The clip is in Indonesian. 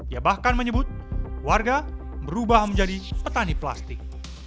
ia bahkan menyebut warga berubah menjadi petani plastik